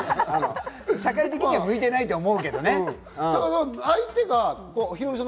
社会的には向いてないと思うけどね。